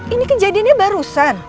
ini kejadiannya barusan